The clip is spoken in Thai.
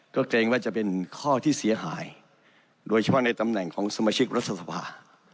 ก็เกรงว่าจะเป็นข้อที่เสียหายโดยเฉพาะในตำแหน่งของสมาชิกรัฐสภา